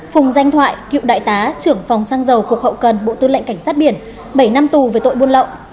phùng danh thoại cựu đại tá trưởng phòng sang giàu cuộc hậu cần bộ tư lệnh cảnh sát biển bảy năm tù về tội buôn lậu